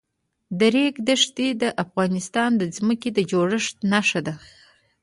د ریګ دښتې د افغانستان د ځمکې د جوړښت نښه ده.